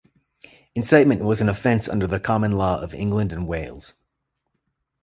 Incitement was an offence under the common law of England and Wales.